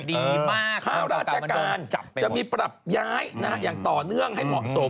ดีมากค่าราชการจะมีปรับย้ายอย่างต่อเนื่องให้เหมาะสม